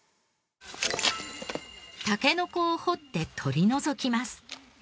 タケノコを掘って取り除きます。